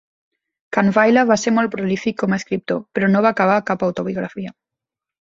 Kahnweiler va ser molt prolífic com a escriptor, però no va acabar cap autobiografia.